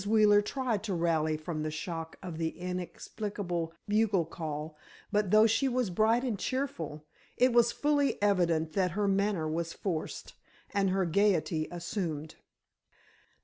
Wheeler tried to rally from the shock of the inexplicable bugle call, but though she was bright and cheerful, it was fully evident that her manner was forced and her gayety assumed.